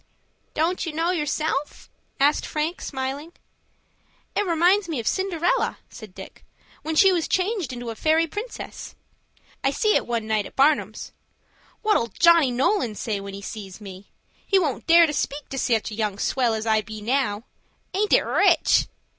"Don't you know yourself?" asked Frank, smiling. "It reminds me of Cinderella," said Dick, "when she was changed into a fairy princess. I see it one night at Barnum's. What'll Johnny Nolan say when he sees me? He won't dare to speak to such a young swell as I be now. Aint it rich?"